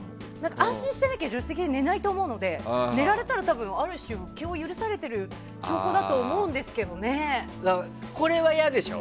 安心してなきゃ助手席で寝ないと思うので寝られたら多分ある種、気を許されてるこれはいやでしょ？